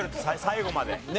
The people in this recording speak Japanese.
最後まで。